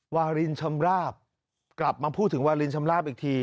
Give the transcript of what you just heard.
วารินชำราบกลับมาพูดถึงวาลินชำราบอีกที